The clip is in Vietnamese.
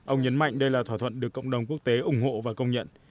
ông nhấn mạnh đây là thỏa thuận được cộng đồng quốc tế ủng hộ và công nhận